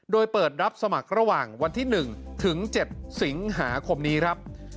โดยเปิดรับสมัครระหว่างวันที่๑ถึง๗สิงหาคมนี้ครับ